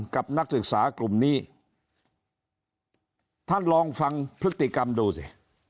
นักศึกษากลุ่มนี้ท่านลองฟังพฤติกรรมดูสิ